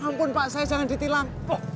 mampun pak saya jangan ditilang